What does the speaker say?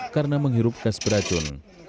karena menghirup gas beracun